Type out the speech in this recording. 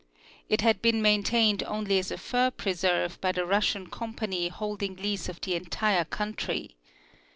It had been maintained only as a fur preserve by the Russian company holding lease of the entire country.